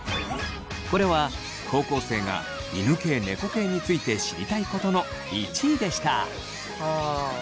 これは高校生が犬系・猫系について知りたいことの１位でした。